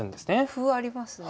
歩ありますね。